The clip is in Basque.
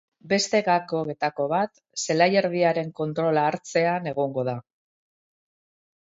Beste gakoetako bat zelai erdiaren kontrola hartzean egongo da.